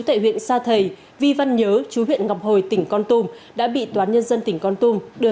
tại huyện sa thầy vy văn nhớ chú huyện ngọc hồi tỉnh con tùm đã bị toán nhân dân tỉnh con tùm đưa